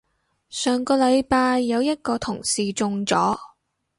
上個禮拜有一個同事中咗